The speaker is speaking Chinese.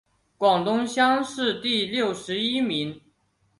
广东乡试第六十一名。